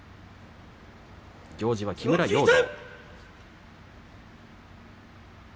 行司は木村容堂。